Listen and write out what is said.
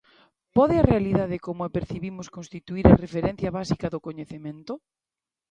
Pode a realidade como a percibimos constituír a referencia básica do coñecemento?